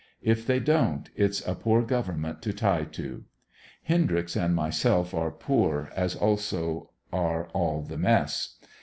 If they don't, its a poor government to tie to. Hendryx and myself are poor, as also are all the mess.